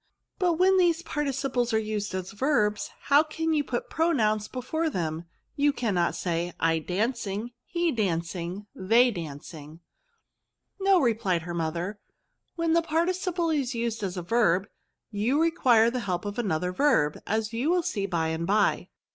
But when these participles are used as verbs, how can you put pronouns before them ? you cannot say, ' I dancing, he dancing, they dancing/ '*" No," replied her mother ;" when the participle is used as a verb, you require the help of another verb, as you will see by and by.